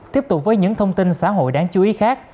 tiếp tục với những thông tin xã hội đáng chú ý khác